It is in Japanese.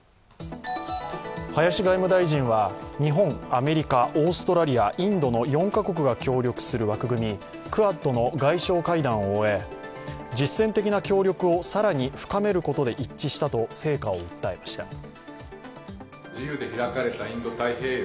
林外務大臣は日本、アメリカ、オーストラリア、インドの４カ国が協力する枠組み、クアッドの外相会談を終え、実践的な協力を更に深めることで一致したと成果を訴えました。